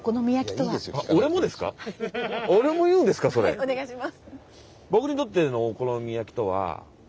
お願いします。